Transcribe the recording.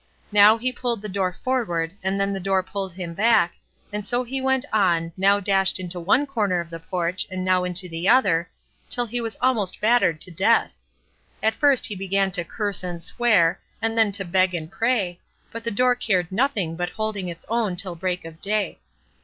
Now he pulled the door forward, and then the door pulled him back, and so he went on, now dashed into one corner of the porch, and now into the other, till he was almost battered to death. At first he began to curse and swear, and then to beg and pray, but the door cared for nothing but holding its own till break of day.